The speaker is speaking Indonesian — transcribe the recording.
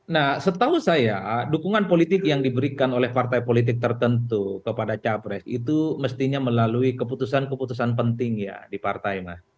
nah setahu saya dukungan politik yang diberikan oleh partai politik tertentu kepada capres itu mestinya melalui keputusan keputusan penting ya di partai